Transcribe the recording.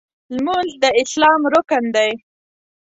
لمونځ د اسلام رکن دی.